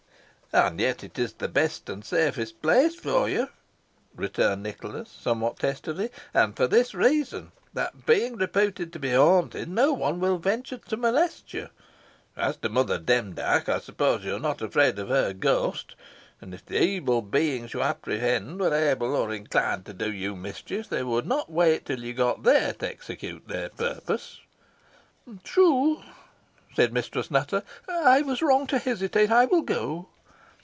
"And yet it is the best and safest place for you," returned Nicholas, somewhat testily; "and for this reason, that, being reputed to be haunted, no one will venture to molest you. As to Mother Demdike, I suppose you are not afraid of her ghost; and if the evil beings you apprehend were able or inclined to do you mischief, they would not wait till you got there to execute their purpose." "True," said Mistress Nutter, "I was wrong to hesitate. I will go."